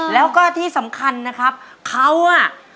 แล้วก็ที่สำคัญนะครับเขาอ่ะ